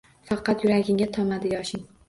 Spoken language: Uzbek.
Faqat yuragingga tomadi yoshing